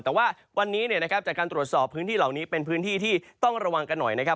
แต่ว่าวันนี้จากการตรวจสอบพื้นที่เหล่านี้เป็นพื้นที่ที่ต้องระวังกันหน่อยนะครับ